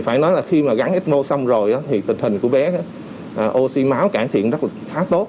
phải nói là khi gắn ecmo xong rồi thì tình hình của bé oxy máu cải thiện rất là khá tốt